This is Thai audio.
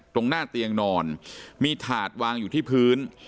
ตรงหน้าเตียงนอนมีถาดวางอยู่ที่พื้น